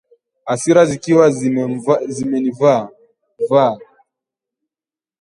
Hasira zikiwa zimenivaavaa